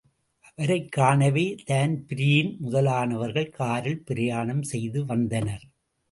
அவரைக் காணவே தான்பிரீன் முதலானவர்கள் காரில் பிரயாணம் செய்து வந்தனர்.